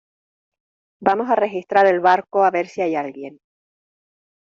vamos a registrar el barco a ver si hay alguien.